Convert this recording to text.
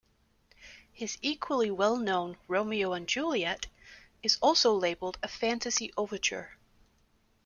His equally well-known "Romeo and Juliet" is also labelled a 'fantasy-overture'.